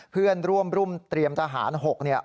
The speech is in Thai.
เพื่อนร่วมรุ่นเตรียมทหาร๖เนี่ย